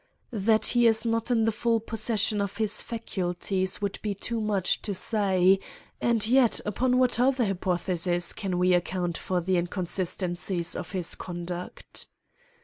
That he is not in the full possession of his faculties would be too much to say, and yet upon what other hypothesis can we account for the inconsistencies of his conduct.